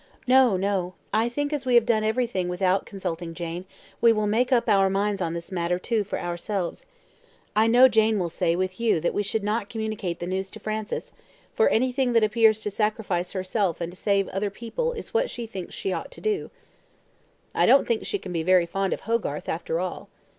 "No, no; I think as we have done everything without consulting Jane, we will make up our minds on this matter too for ourselves. I know Jane will say with you that we should not communicate the news to Francis; for anything that appears to sacrifice herself and to save other people is what she thinks she ought to do." "I don't think she can be very fond of Hogarth, after all."